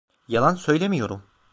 Yalan söylemiyorum.